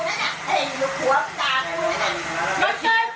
นี่มันเป็นขวานจามแม่กูอย่างนี้